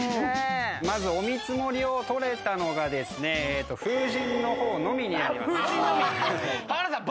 お見積もりを取れたのが風神のほうのみになります。